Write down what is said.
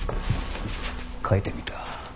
書いてみた。